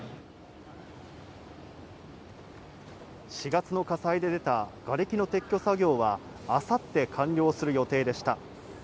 ４月の火災で出たがれきの撤去作業は明後日、完了する予定でした。